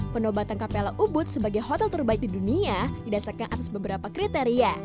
penobatan kapela ubud sebagai hotel terbaik di dunia didasarkan atas beberapa kriteria